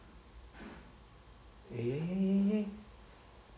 え。